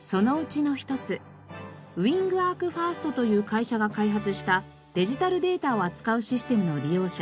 そのうちの一つウイングアーク１ｓｔという会社が開発したデジタルデータを扱うシステムの利用者